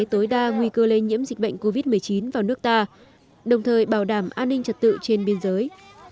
tối đa nguy cơ lây nhiễm dịch bệnh covid một mươi chín vào nước ta đồng thời bảo đảm an ninh trật tự trên biên giới